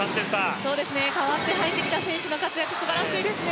代わって入ってきた選手の活躍素晴らしいですね。